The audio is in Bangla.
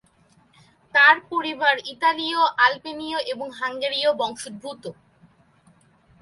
তাঁর পরিবার ইতালীয়-আলবেনীয় এবং হাঙ্গেরীয় বংশোদ্ভূত।